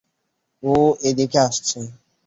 ও এদিকে আসছে।